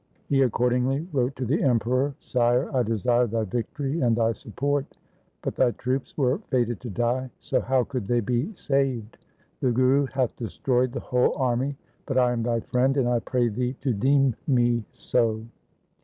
He accordingly wrote to the' Emperor, ' Sire, I desire thy victory and thy support, but thy troops were fated to die, so how could they be saved ? The Guru hath destroyed the whole army, but I am thy friend, and I pray thee to deem me so.'